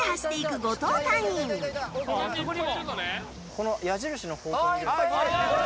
この矢印の方向に。